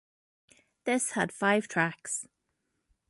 This had five tracks.